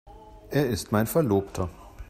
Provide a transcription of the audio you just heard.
Er ist mein Verlobter.